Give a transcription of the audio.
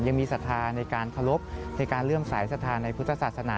ยังมีศรัทธาในการทรลบในการเริ่มสายศรัทธาในพุทธศาสนา